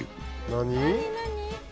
何？